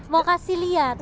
mau kasih liat